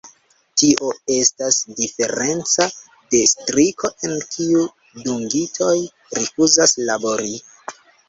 Tio estas diferenca de striko, en kiu dungitoj rifuzas labori.